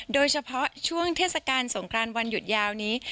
โดยเฉพาะช่วงเทศกาลสงครานวันหยุดยาวนี้